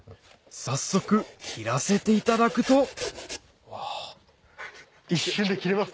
早速切らせていただくとうわ。